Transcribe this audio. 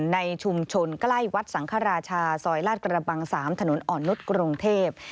ในชุมชนใกล้วัดสังฆราชาซอยลาดกระบัง๓ถนนอ่อนนุษย์กรุงเทพ